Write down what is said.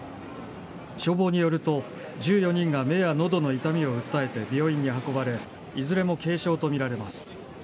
消防によると１４人が目や喉の痛みを訴えて病院に運ばれいずれも軽傷とみられます。